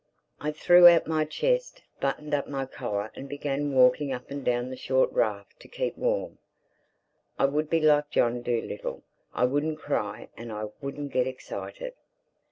I threw out my chest, buttoned up my collar and began walking up and down the short raft to keep warm. I would be like John Dolittle. I wouldn't cry—And I wouldn't get excited.